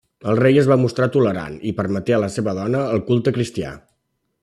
El rei es va mostrar tolerant i permeté a la seva dona el culte cristià.